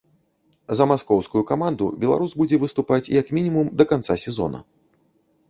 За маскоўскую каманду беларус будзе выступаць як мінімум да канца сезона.